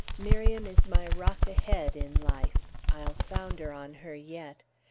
Miriam is my "Rock ahead" in life; I'll founder on her yet.